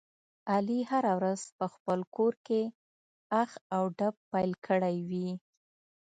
علي هره ورځ په خپل کورکې اخ او ډب پیل کړی وي.